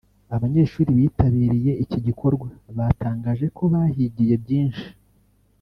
Abanyeshuri bitabiriye iki gikorwa batangaje ko bahigiye byinshi